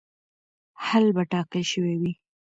حل به ټاکل شوی وي.